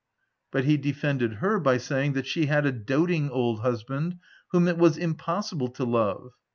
* But he defended her by saying that she had a doting old husband, whom it was impossible to love.